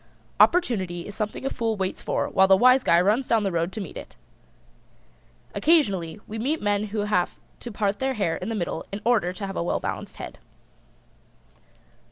Opportunity is something a Fool waits for while the Wise Guy runs down the road to meet it. Occasionally we meet men who have to part their hair in the middle in order to have a well balanced head.